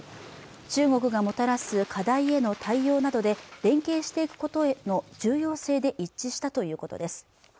中国がもたらす課題への対応などで連携していくことへの重要性で一致したということです